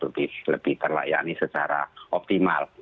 lebih terlayani secara optimal